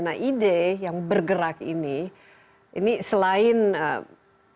nah ide yang bergerak ini ini selain bisa naik kuda